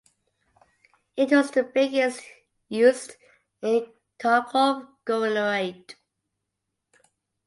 It was the biggest "uyezd" in Kharkov Governorate.